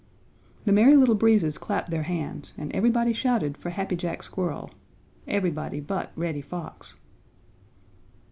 The Merry Little Breezes clapped their hands and everybody shouted for Happy Jack Squirrel, everybody but Reddy Fox.